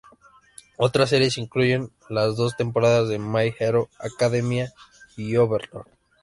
Otras series incluyen: las dos temporadas de My Hero Academia y Overlord.